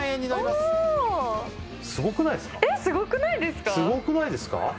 すごくないですか？